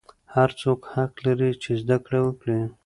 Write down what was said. هر څوک حق لري چې زده کړې وکړي.